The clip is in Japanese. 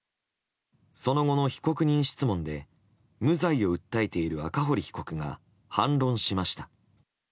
その後の被告人質問で無罪を訴えている赤堀被告が反論しました。